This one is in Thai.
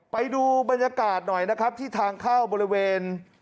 ไปดูบรรยากาศหน่อยนะครับที่ทางเข้าบริเวณ